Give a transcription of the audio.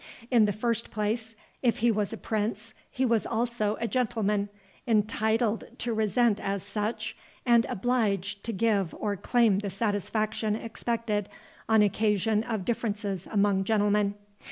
In the first place, if he was a prince, he was also a gentleman, entitled to resent as such, and obliged to give or claim the satisfaction expected on occasion of differences among gentlemen.